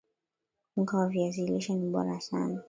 unga wa viazi lishe ni bora sana